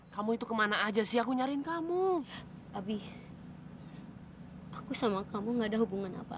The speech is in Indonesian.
sampai jumpa di video selanjutnya